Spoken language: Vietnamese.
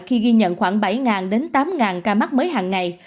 khi ghi nhận khoảng bảy tám ca mắc mới hằng ngày